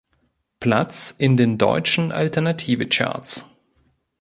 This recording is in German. Platz in den deutschen Alternative-Charts.